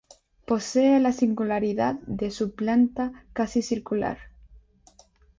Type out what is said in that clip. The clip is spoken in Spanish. Posee la singularidad de su planta casi circular.